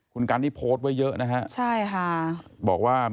คุณกันนี่โพสไว้เยอะนะฮะบอกว่าใช่ค่ะ